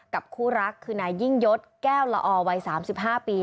คู่รักคือนายยิ่งยศแก้วละออวัย๓๕ปี